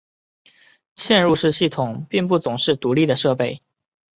嵌入式系统并不总是独立的设备。